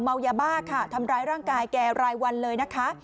เมายาบ้าค่ะทำร้ายร่างกายแกรายวันเลยนะคะ